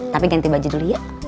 tapi ganti baju dulu ya